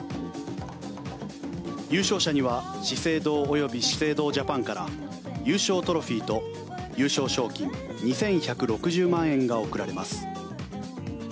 優勝者には資生堂及び資生堂ジャパンから優勝トロフィーと優勝賞金２１６０万円が贈られます。